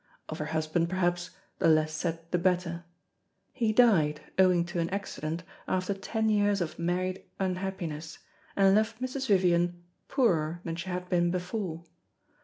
Of her husband, perhaps, the less said the better. He died, owing to an accident, after ten years of married unhappiness, and left Mrs. Vivian poorer than she had been before.